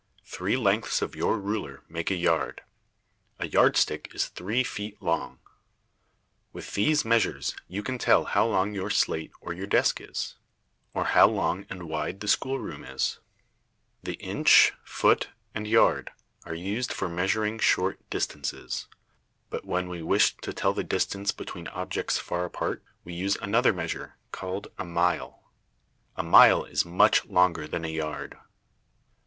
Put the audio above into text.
Three lengths of your ruler make a yard. A yard stick is three feet long. [Illustration: MEASURING SHORT DISTANCES.] With these measures you can tell how long your slate or your desk is, or how long and wide the schoolroom is. The inch, foot, and yard are used for measuring short distances. But when we wish to tell the distance between objects far apart, we use another measure called a mile. A mile is much longer than a yard.